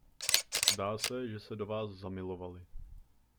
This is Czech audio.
Zdá se, že se do vás zamilovali.